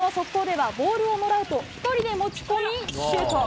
この速攻では、ボールをもらうと１人で持ち込みシュート。